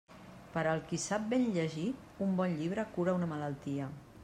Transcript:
Per al qui sap ben llegir, un bon llibre cura una malaltia.